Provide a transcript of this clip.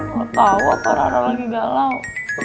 ga tau apa rara lagi galau